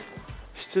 失礼。